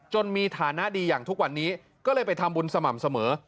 มีฐานะดีอย่างทุกวันนี้ก็เลยไปทำบุญสม่ำเสมอ